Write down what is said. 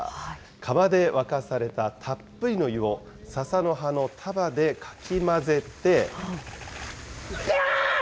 釜で沸かされたたっぷりの湯を、ササの葉の束でかき混ぜて。